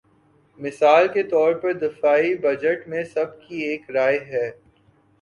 مثال کے طور پر دفاعی بجٹ میں سب کی ایک رائے ہے۔